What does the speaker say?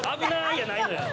やないのよ。